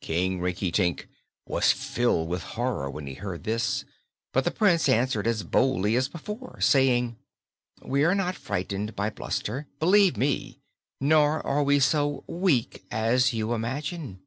King Rinkitink was filled with horror when he heard this, but the Prince answered as boldly as before, saying: "We are not to be frightened by bluster, believe me; nor are we so weak as you imagine.